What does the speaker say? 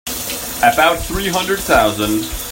About three hundred thousand.